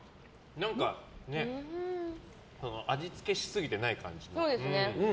味付けしすぎていない感じ。